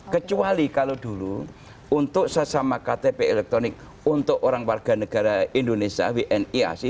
kecuali kalau dulu untuk sesama ktp elektronik untuk orang warga negara indonesia wnic